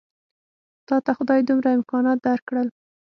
تاته خدای دومره امکانات درکړل.